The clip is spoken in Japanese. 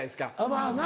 まぁな。